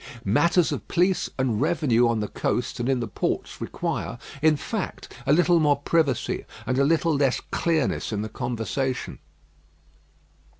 Matters of police and revenue on the coast and in the ports require, in fact, a little more privacy, and a little less clearness in the conversation.